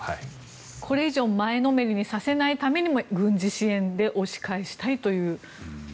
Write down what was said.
これ以上前のめりにさせないためにも軍事支援で押し返したいという。